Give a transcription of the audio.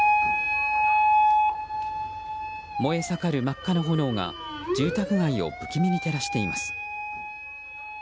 燃え盛る真っ赤な炎が住宅街を不気味に照らしています。